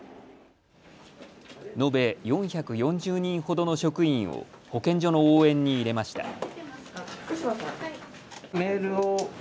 延べ４４０人ほどの職員を保健所の応援に入れました。